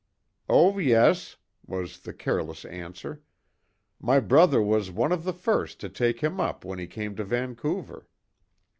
"Oh, yes," was the careless answer. "My brother was one of the first to take him up when he came to Vancouver."